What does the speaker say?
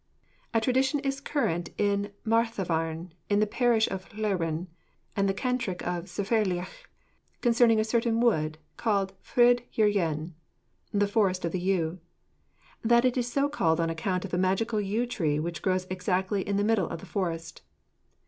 ] A tradition is current in Mathavarn, in the parish of Llanwrin, and the Cantref of Cyfeillioc, concerning a certain wood called Ffridd yr Ywen, (the Forest of the Yew,) that it is so called on account of a magical yew tree which grows exactly in the middle of the forest.